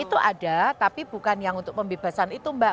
itu ada tapi bukan yang untuk pembebasan itu mbak